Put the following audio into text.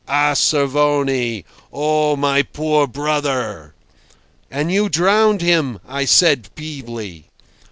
"A Cervoni! Oh! my poor brother! ..." "And you drowned him," I said feebly.